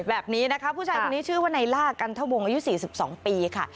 แบบนี้นะคะผู้ชายคนนี้ชื่อว่าในล่ากันทะวงอายุ๔๒ปีค่ะ